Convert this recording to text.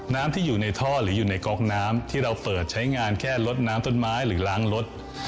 น้ำที่อยู่ในท่อหรืออยู่ในก๊อกน้ำที่เราเปิดใช้งานแค่ลดน้ำต้นไม้หรือล้างรถ